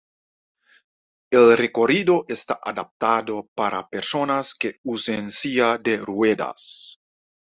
El recorrido está adaptado para personas que usen silla de ruedas.